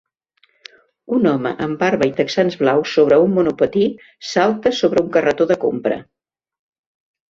Un home amb barba i texans blaus sobre un monopatí salta sobre un carretó de compra.